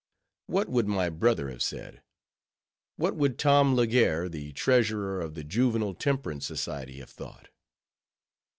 What would my brother have said? What would Tom Legare, the treasurer of the Juvenile Temperance Society, have thought?